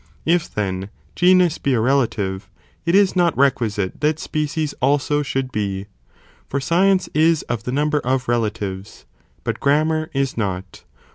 If then genus be a relative, it is not requisite that species also should be, for science is of the number of relatives, but grammar is not.